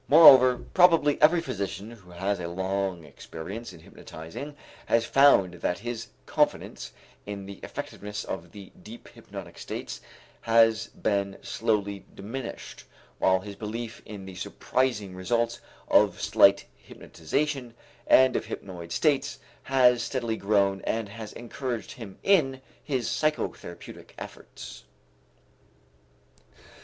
Moreover probably every physician who has a long experience in hypnotizing has found that his confidence in the effectiveness of the deep hypnotic states has been slowly diminished, while his belief in the surprising results of slight hypnotization and of hypnoid states has steadily grown and has encouraged him in his psychotherapeutic efforts.